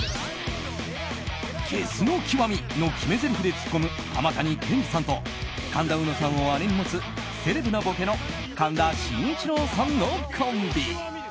ゲスの極み！の決めぜりふでツッコむ浜谷健司さんと神田うのさんを姉に持つセレブなボケの神田伸一郎さんのコンビ。